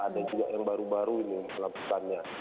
dan juga yang baru baru ini kelapukannya